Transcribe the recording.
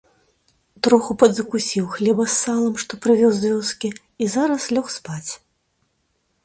Троху падзакусіў хлеба з салам, што прывёз з вёскі, і зараз лёг спаць.